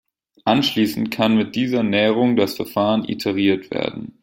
Anschließend kann mit dieser Näherung das Verfahren iteriert werden.